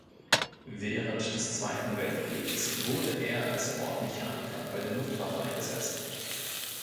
Während des Zweiten Weltkrieges wurde er als Bordmechaniker bei der Luftwaffe eingesetzt.